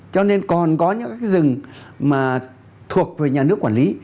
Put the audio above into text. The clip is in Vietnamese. cho nên còn có những cái rừng mà thuộc về nhà nước quản lý